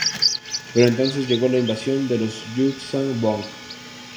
Pero entonces llegó la Invasión de los "yuuzhan vong".